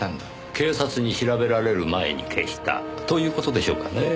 警察に調べられる前に消したという事でしょうかねぇ。